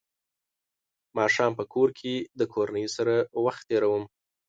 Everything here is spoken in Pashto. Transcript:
ماښام په کور کې د کورنۍ سره وخت تېروم.